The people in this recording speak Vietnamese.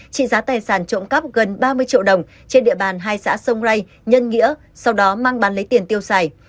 trị giá tài sản trộm cắp gần ba mươi triệu đồng trên địa bàn hai xã sông rây nhân nghĩa sau đó mang bán lấy tiền tiêu xài